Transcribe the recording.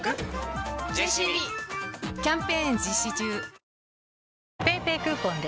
ピンポーンＰａｙＰａｙクーポンで！